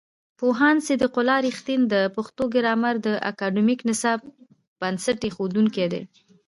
پوهاند صدیق الله رښتین د پښتو ګرامر د اکاډمیک نصاب بنسټ ایښودونکی دی.